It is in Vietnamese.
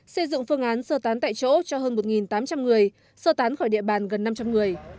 xây dựng phương án sơ tán tại chỗ cho hơn một tám trăm linh người sơ tán khỏi địa bàn gần năm trăm linh người